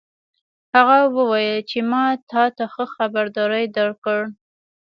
هغه وویل چې ما تا ته ښه خبرداری درکړ